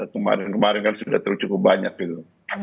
kemarin kemarin kan sudah cukup banyak gitu